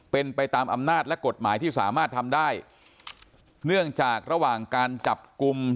เป็นไปตามอำนาจและกฎหมายที่สามารถทำได้เนื่องจากระหว่างการจับกลุ่ม